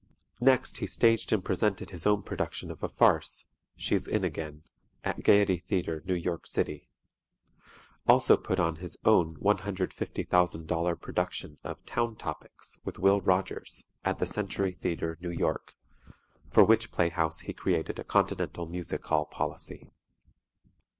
Next he staged and presented his own production of a farce, "She's In Again," at Gaiety Theatre, New York City; also put on his own $150,000 production of "Town Topics," with Will Rogers, at the Century Theatre, New York, for which playhouse he created a Continental Music Hall policy.